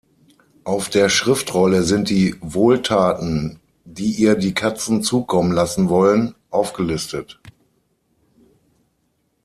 Auf der Schriftrolle sind die „Wohltaten“, die ihr die Katzen zukommen lassen wollen, aufgelistet.